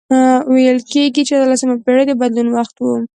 ویل کیږي چې اتلسمه پېړۍ د بدلون وخت و.